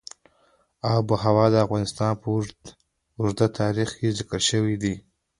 آب وهوا د افغانستان په اوږده تاریخ کې ذکر شوی دی.